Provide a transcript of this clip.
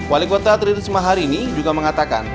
wali kota tririsma hari ini juga mengatakan